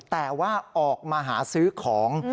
แต่ว่าออกมาหาซื้อของ